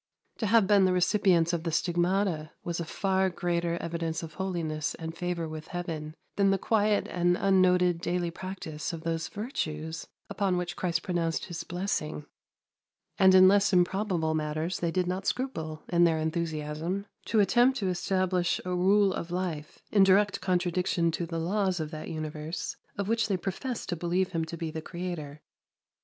To have been the recipients of the stigmata was a far greater evidence of holiness and favour with Heaven than the quiet and unnoted daily practice of those virtues upon which Christ pronounced His blessing; and in less improbable matters they did not scruple, in their enthusiasm, to attempt to establish a rule of life in direct contradiction to the laws of that universe of which they professed to believe Him to be the Creator.